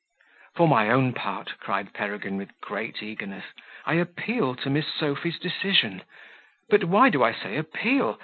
"For my own part," cried Peregrine, with great eagerness, "I appeal to Miss Sophy's decision. But why do I say appeal?